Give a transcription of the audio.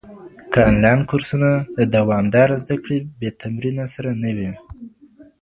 انلاين کورسونه د دوامداره زده کړې بې تمرين سره نه وي.